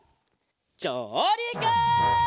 じょうりく！